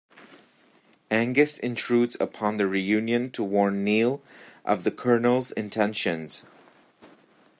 Angus intrudes upon the reunion to warn Neil of the colonel's intentions.